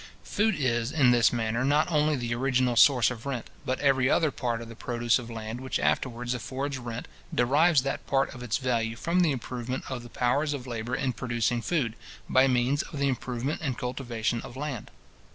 Food is, in this manner, not only the original source of rent, but every other part of the produce of land which afterwards affords rent, derives that part of its value from the improvement of the powers of labour in producing food, by means of the improvement and cultivation of land.